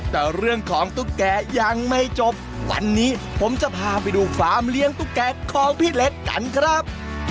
แต่เรื่องของตุ๊กแกยังไม่จบวันนี้ผมจะพาไปดูฟาร์มเลี้ยงตุ๊กแก่ของพี่เล็กกันครับ